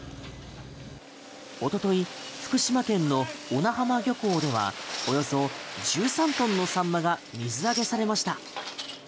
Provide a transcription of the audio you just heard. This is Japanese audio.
一昨日福島県の小名浜漁港ではおよそ１３トンのサンマが水揚げされました。